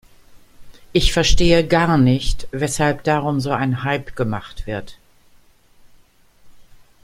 Ich verstehe gar nicht, weshalb darum so ein Hype gemacht wird.